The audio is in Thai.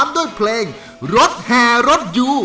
ด้วยเพลงรถแห่รถยู